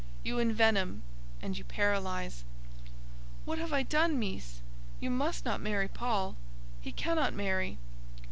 You envenom and you paralyze." "What have I done, Meess? You must not marry Paul. He cannot marry."